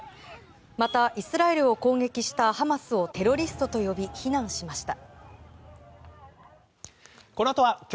またイスラエルを攻撃したハマスをテロリストと呼び非難しました。